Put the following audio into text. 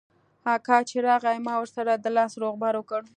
اکا چې راغى ما ورسره د لاس روغبړ وکړ.